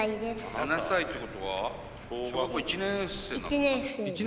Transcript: ７歳ってことは小学校１年生なのかな？